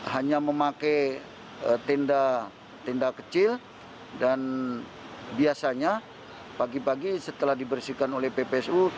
hanya memakai tenda tenda kecil dan biasanya pagi pagi setelah dibersihkan oleh ppsu